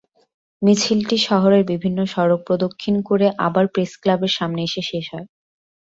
মিছিলটি শহরের বিভিন্ন সড়ক প্রদক্ষিণ করে আবার প্রেসক্লাবের সামনে এসে শেষ হয়।